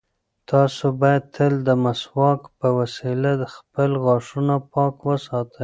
تاسو باید تل د مسواک په وسیله خپل غاښونه پاک وساتئ.